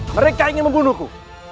mereka ingin membunuhku